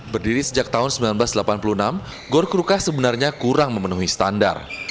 berdiri sejak tahun seribu sembilan ratus delapan puluh enam gor krukah sebenarnya kurang memenuhi standar